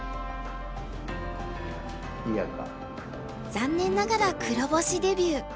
残念ながら黒星デビュー。